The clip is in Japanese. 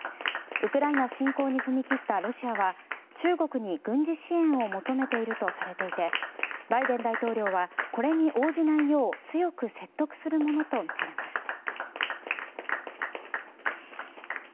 ウクライナ侵攻に踏み切ったロシアは中国に軍事支援を求めているとされていてバイデン大統領はこれに応じないよう強く説得するものとみられます。